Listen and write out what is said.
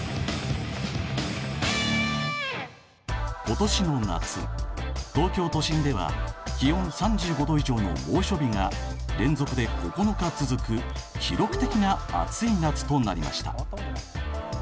今年の夏東京都心では気温３５℃以上の猛暑日が連続で９日続く記録的な暑い夏となりました。